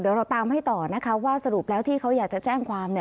เดี๋ยวเราตามให้ต่อนะคะว่าสรุปแล้วที่เขาอยากจะแจ้งความ